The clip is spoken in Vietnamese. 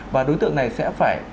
và đối tượng này sẽ bị xử lý hình sự